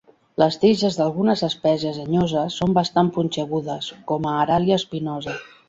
Les tiges d'algunes espècies llenyoses són bastant punxegudes, com a "Aralia spinosa".